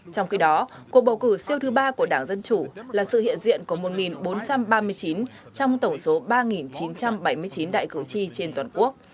trong khi đó cuộc bầu cử siêu thứ ba của đảng dân chủ là sự hiện diện của một bốn trăm ba mươi chín trong tổng số ba chín trăm bảy mươi chín đại cử tri trên toàn quốc